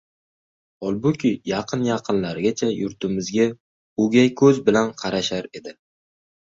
holbuki, yaqin-yaqinlargacha yurtimizga o‘gay ko‘z bilan qarashar edi